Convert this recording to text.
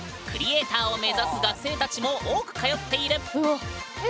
クリエーターを目指す学生たちも多く通っている